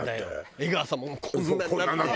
江川さんもこんなになって。